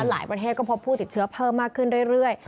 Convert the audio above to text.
หลายประเทศก็พบผู้ติดเชื้อเพิ่มมากขึ้นเรื่อย